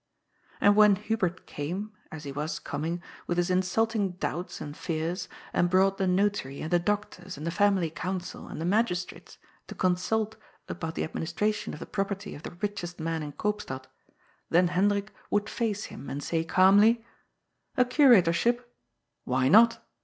And when Hubert came— as he was coming — ^with his insulting doubts and fears, and broaght the Notary and the doctors and the family council and the magistrates to con sult about the administration of the property of the richest man in Eoopstad, then Hendrik would face him and say calmly :A curatorship ? Why not